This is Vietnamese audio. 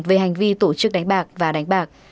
về hành vi tổ chức đánh bạc và đánh bạc